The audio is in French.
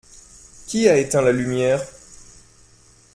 Qui a éteint la lumière ?